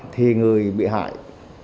thì người bị hại